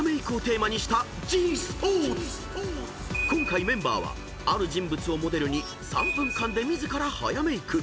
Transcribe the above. ［今回メンバーはある人物をモデルに３分間で自ら早メイク］